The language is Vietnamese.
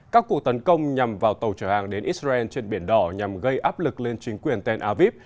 các cuộc tấn công nhằm vào tàu trở hàng đến israel trên biển đỏ nhằm gây áp lực lên chính quyền tel aviv